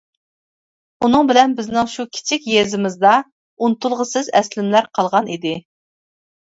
ئۇنىڭ بىلەن بىزنىڭ شۇ كىچىك يېزىمىزدا ئۇنتۇلغۇسىز ئەسلىمىلەر قالغان ئىدى.